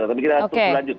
tapi kita akan terus lanjut